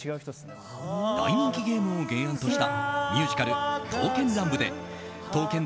大人気ゲームを原案としたミュージカル「刀剣乱舞」で刀剣